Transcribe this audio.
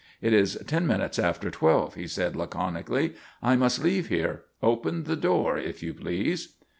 "It is ten minutes after twelve," he said laconically. "I must leave here. Open the door, if you please."